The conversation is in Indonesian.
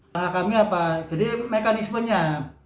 nah kami apa jadi mekanismenya